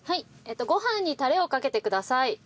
ご飯にタレをかけてください。